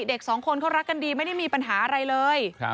เด็กสองคนเขารักกันดีไม่ได้มีปัญหาอะไรเลย